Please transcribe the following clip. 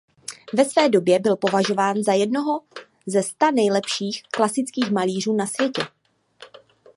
Ve své době byl považován za jednoho ze sta nejlepších klasických malířů na světě.